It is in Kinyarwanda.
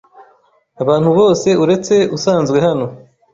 Abantu bose uretse asanzwe hano.